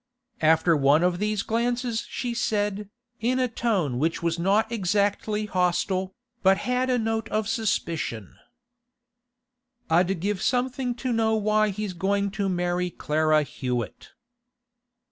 After one of these glances she said, in a tone which was not exactly hostile, but had a note of suspicion: 'I'd give something to know why he's going to marry Clara Hewett.